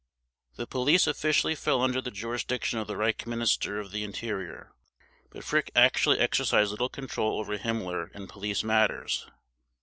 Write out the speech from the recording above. The police officially fell under the jurisdiction of the Reichsminister of the Interior. But Frick actually exercised little control over Himmler and police matters.